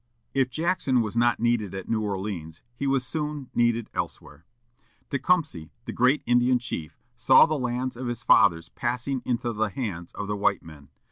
If Jackson was not needed at New Orleans, he was soon needed elsewhere. Tecumseh, the great Indian chief, saw the lands of his fathers passing into the hands of the white men.